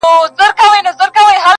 هلهیاره د سپوږمۍ پر لوري یون دی